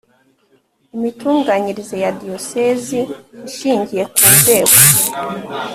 Imitunganyirize ya diyosezi ishingiye ku nzego